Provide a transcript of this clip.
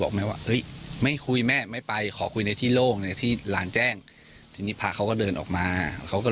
แม่ว่าเฮ้ยไม่คุยแม่ไม่ไปขอคุยในที่โล่งในที่หลานแจ้งทีนี้พระเขาก็เดินออกมาเขาก็